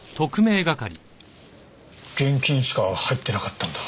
現金しか入ってなかったんだ。